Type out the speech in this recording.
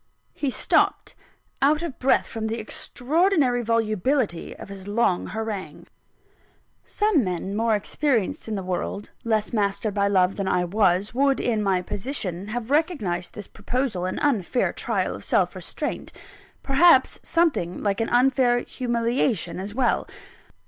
He stopped, out of breath from the extraordinary volubility of his long harangue. Some men more experienced in the world, less mastered by love than I was, would, in my position, have recognised this proposal an unfair trial of self restraint perhaps, something like an unfair humiliation as well.